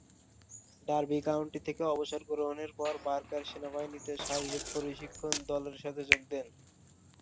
Derby County থেকে অবসর গ্রহণের পর, বার্কার সেনাবাহিনী শারীরিক প্রশিক্ষণ দলের সাথে যোগ দেন।